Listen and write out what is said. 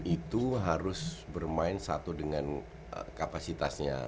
itu harus bermain satu dengan kapasitasnya